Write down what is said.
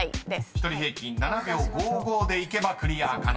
［１人平均７秒５５でいけばクリア可能です］